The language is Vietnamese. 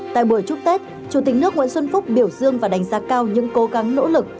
tại buổi chúc tết chủ tịch nước nguyễn xuân phúc biểu dương và đánh giá cao những cố gắng nỗ lực